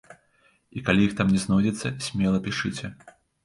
І калі іх там не знойдзецца, смела пішыце.